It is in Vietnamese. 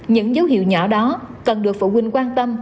những dấu hiệu nhỏ đó cần được phụ huynh quan tâm